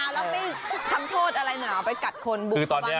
เอาแล้วไปทำโทษอะไรหน่อยเอาไปกัดคนบุกเข้าบ้านคน